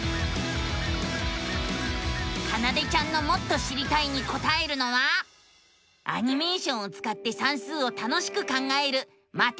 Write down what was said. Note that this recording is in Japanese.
かなでちゃんのもっと知りたいにこたえるのはアニメーションをつかって算数を楽しく考える「マテマティカ２」。